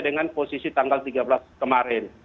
dengan posisi tanggal tiga belas kemarin